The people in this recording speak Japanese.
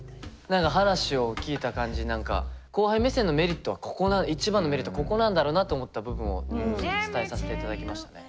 何か話を聞いた感じ何か後輩目線のメリットはここ一番のメリットはここなんだろうなと思った部分を伝えさせていただきましたね。